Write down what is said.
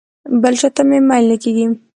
بل چاته مې میل نه کېږي.